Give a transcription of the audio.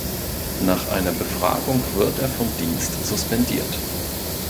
Nach einer Befragung wird er vom Dienst suspendiert.